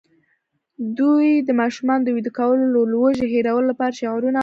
دوی د ماشومانو د ویده کولو او لوږې هېرولو لپاره شعرونه ویل.